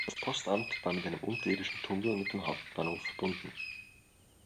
Das Postamt war mit einem unterirdischen Tunnel mit dem Hauptbahnhof verbunden.